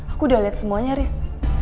aku udah liat semuanya riz